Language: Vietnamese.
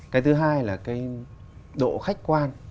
cái thứ hai là cái độ khách quan